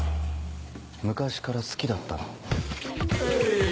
昔から好きだったの。